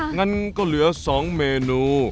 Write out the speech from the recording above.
งั้นก็เหลือ๒เมนู